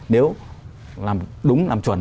nếu đúng làm chuẩn